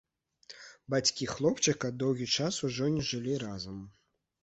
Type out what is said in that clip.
Бацькі хлопчыка доўгі час ужо не жылі разам.